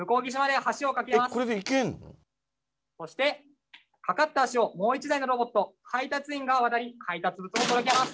そして架かった橋をもう一台のロボット配達員が渡り配達物を届けます。